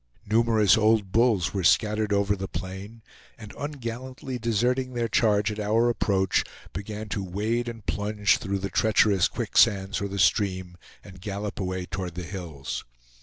Numerous old bulls were scattered over the plain, and ungallantly deserting their charge at our approach, began to wade and plunge through the treacherous quick sands or the stream, and gallop away toward the hills.